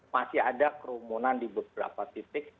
masih ada kerumunan di beberapa titik